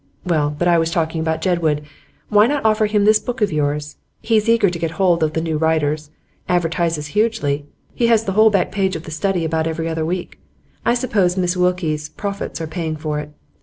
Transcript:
Well, but I was talking about Jedwood. Why not offer him this book of yours? He's eager to get hold of the new writers. Advertises hugely; he has the whole back page of The Study about every other week. I suppose Miss Wilkes's profits are paying for it.